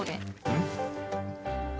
うん？